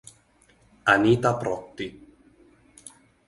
Anita Protti